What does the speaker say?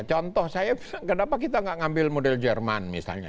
contoh saya kenapa kita enggak ngambil model jerman misalnya